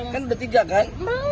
kan udah tiga kan